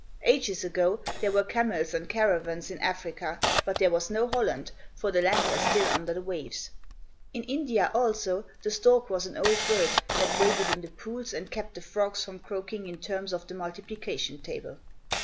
Ages ago, there were camels and caravans in Africa, but there was no Holland, for the land was still under the waves. In India, also, the stork was an old bird, that waded in the pools and kept the frogs from croaking in terms of the multiplication table.